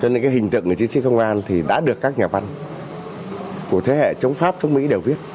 cho nên hình tượng chính trị công an đã được các nhà văn của thế hệ chống pháp chống mỹ đều viết